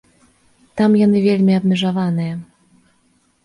Там яны вельмі абмежаваныя.